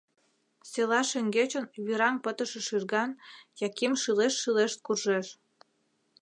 Села шеҥгечын вӱраҥ пытыше шӱрган Яким шӱлешт-шӱлешт куржеш.